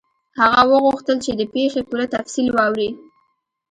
هغه وغوښتل چې د پیښې پوره تفصیل واوري.